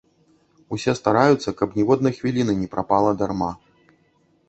Усе стараюцца, каб ніводнай хвіліны не прапала дарма.